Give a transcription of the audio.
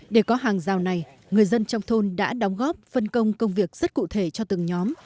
để có hàng rào này người dân trong thôn đã đóng góp phân công công việc rất cụ thể cho từng nhóm